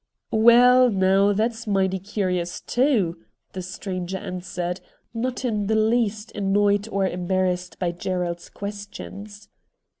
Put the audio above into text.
' Waal, now, that's mighty curious, too,' the stranger answered, not in the least annoyed or embarrassed by Gerald's questions.